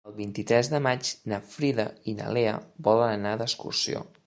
El vint-i-tres de maig na Frida i na Lea volen anar d'excursió.